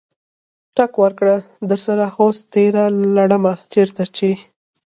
ټک ورکړه دسره هوس تیره لړمه چرته یې؟